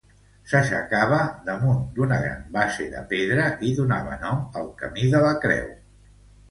S'aixecava damunt d'una gran base de pedra i donava nom al Camí de la Creu.